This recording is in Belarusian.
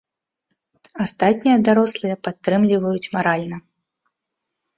Астатнія дарослыя падтрымліваюць маральна.